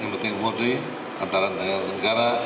yang penting multi antara negara dan negara